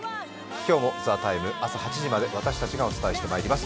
今日も「ＴＨＥＴＩＭＥ，」朝８時まで私たちがお送りしていきます。